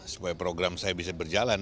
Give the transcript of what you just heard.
supaya program saya bisa berjalan